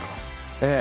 ええ。